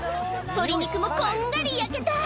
鶏肉もこんがり焼けた！